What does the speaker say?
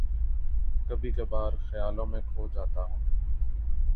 کبھی کبھار خیالوں میں کھو جاتا ہوں